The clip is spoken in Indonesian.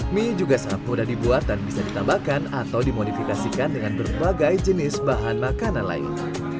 mie juga sangat mudah dibuat dan bisa ditambahkan atau dimodifikasikan dengan berbagai jenis bahan makanan lain